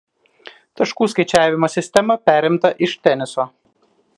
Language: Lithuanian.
Taškų skaičiavimo sistema perimta iš teniso.